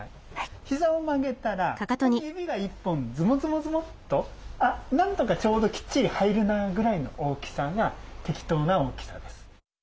ひざを曲げたらここに指が１本ズボズボズボッとなんとかちょうどきっちり入るなぐらいの大きさが適当な大きさです。